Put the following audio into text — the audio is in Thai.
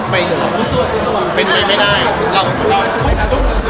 ไม่หรอก